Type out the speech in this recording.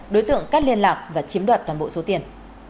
đối tượng cắt liên lạc và chiếm đoạt toàn bộ số tiền